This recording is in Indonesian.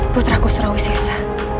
putraku surawi sesa